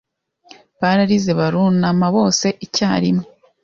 Bararize barunama bose icyarimwe